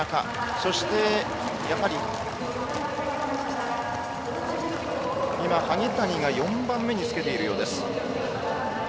そしてやはり萩谷が４番目につけています。